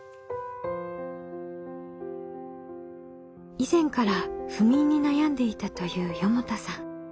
以前から不眠に悩んでいたという四方田さん。